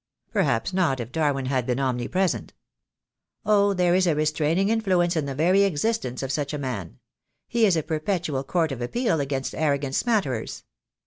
"Perhaps not, if Darwin had been omnipresent." "Oh, there is a restraining influence in the very existence of such a man. He is a perpetual court of appeal against arrogant smatterers."